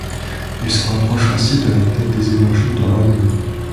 Ils se rapprochent ainsi de la date des évangiles de Rabula.